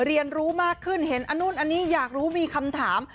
เรียนรู้มากขึ้นเห็นอันนู่นอันนี้อยากรู้มีคำถาม